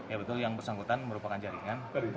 ya betul yang bersangkutan merupakan jaringan